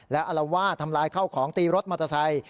และอะลาวาทำร้ายเข้าของตีรถมอเตอร์ไซส์